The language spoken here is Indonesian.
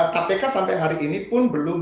kpk sampai hari ini pun belum